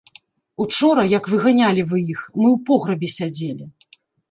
Учора, як выганялі вы іх, мы ў пограбе сядзелі.